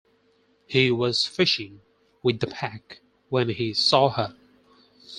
He was fishing with the pack when he saw her.